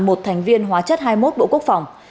một thành viên hóa chất hai mươi một bộ quốc phòng